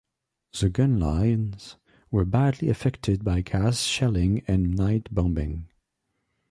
The gun lines were badly affected by gas shelling and night bombing.